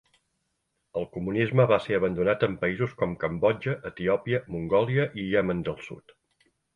El comunisme va ser abandonat en països com Cambodja, Etiòpia, Mongòlia i Iemen del Sud.